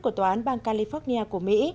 của tòa án bang california của mỹ